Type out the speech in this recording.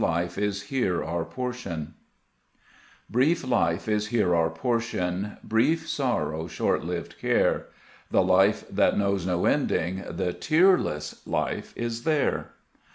32 JSviti %itc is faere our portion BRIEF life is here our portion, Brief sorrow, short lived care ; The life that knows no ending, The tearless life, is there.